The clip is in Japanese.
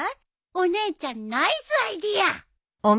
お姉ちゃんナイスアイデア！